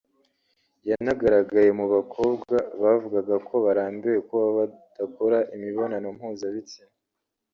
yanagaragaye mu bakobwa bavugaga ko barambiwe kubaho badakora imibonano mpuzabitsina